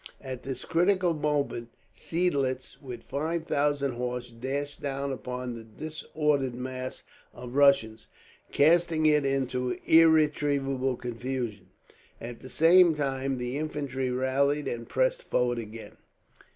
At this critical moment Seidlitz, with five thousand horse, dashed down upon the disordered mass of Russians, casting it into irretrievable confusion. At the same time the infantry rallied and pressed forward again.